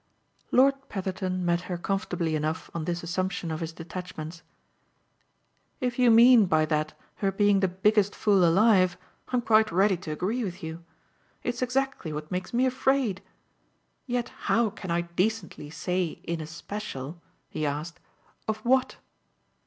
Lord Petherton met her comfortably enough on this assumption of his detachments. "If you mean by that her being the biggest fool alive I'm quite ready to agree with you. It's exactly what makes me afraid. Yet how can I decently say in especial," he asked, "of what?"